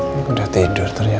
lu udah tidur ternyata